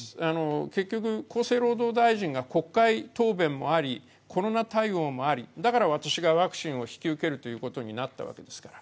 結局、厚生労働大臣が国会答弁もあり、コロナ対応もあり、だから私がワクチンを引き受けるということになったわけですから。